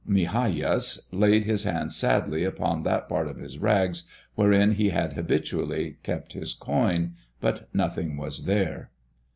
Migajas laid his hand sadly upon that part of his rags wherein he had habitually kept his coin, but nothing was there.